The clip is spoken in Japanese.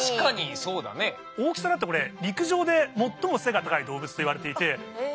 大きさだってこれ陸上で最も背が高い動物といわれていておお！